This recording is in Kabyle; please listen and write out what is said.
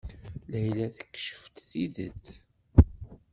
Layla tekcef-d tidet.